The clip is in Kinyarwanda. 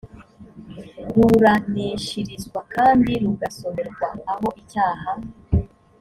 ruburanishirizwa kandi rugasomerwa aho icyaha